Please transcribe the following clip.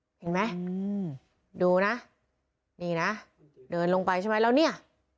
เห็นไหมอืมดูนะนี่นะเดินลงไปใช่ไหมแล้วเนี่ย